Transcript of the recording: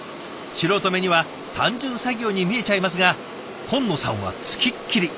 素人目には単純作業に見えちゃいますが金野さんは付きっきり。